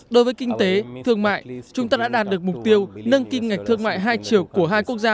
đối với kinh tế thương mại chúng ta đã đạt được mục tiêu nâng kim ngạch thương mại hai triệu của hai quốc gia